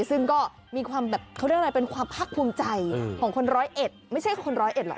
ซึ่งก็มีความแบบเขาเรียกอะไรเป็นความภาคภูมิใจของคนร้อยเอ็ดไม่ใช่คนร้อยเอ็ดหรอก